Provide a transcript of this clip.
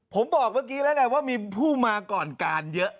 ผมบอกเมื่อกี้แล้วไงว่ามีผู้มาก่อนการเยอะ